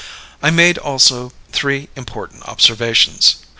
I made also three important observations.